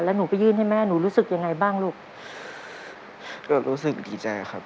แล้วหนูไปยื่นให้แม่หนูรู้สึกยังไงบ้างลูกก็รู้สึกดีใจครับ